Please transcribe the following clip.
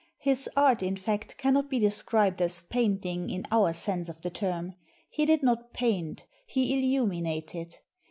His art, in fact, cannot be described as painting, in our sense of the term. He did not paint; he illuminated.